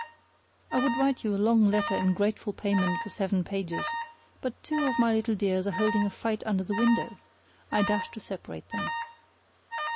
I would write you a long letter in grateful payment for seven pages, but two of my little dears are holding a fight under the window. I dash to separate them.